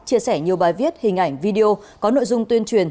chia sẻ nhiều bài viết hình ảnh video có nội dung tuyên truyền